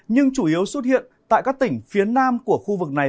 nhưng chủ yếu xuất hiện tại các tỉnh phía nam của khu vực này